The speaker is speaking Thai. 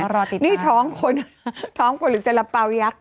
รอติดนี่ท้องคนท้องคนหรือสาระเป๋ายักษ์